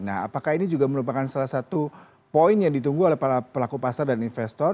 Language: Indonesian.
nah apakah ini juga merupakan salah satu poin yang ditunggu oleh para pelaku pasar dan investor